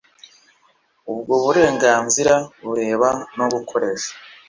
Ubwo burenganzira bureba no gukoresha